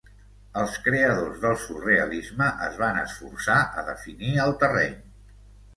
Els creadors del surrealisme es van esforçar a definir el terreny.